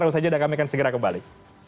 terus aja kami akan segera kembali